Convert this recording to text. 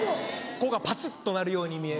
ここがパツっとなるように見える。